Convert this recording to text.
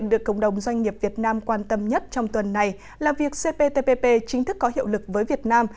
được cộng đồng doanh nghiệp việt nam quan tâm nhất trong tuần này là việc cptpp chính thức có hiệu lực với việt nam